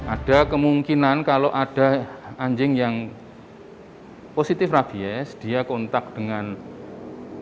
ada kemungkinan kalau ada anjing yang positif rabies dia kontak dengan korban